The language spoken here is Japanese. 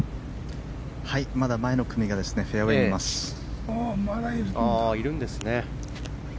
まだ前の組がフェアウェーにいます。